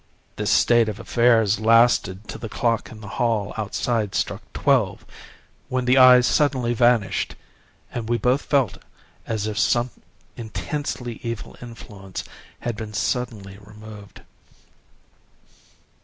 This state of affairs lasted till the clock in the hall outside struck twelve, when the eye suddenly vanished, and we both felt as if some intensely evil influence had been suddenly removed.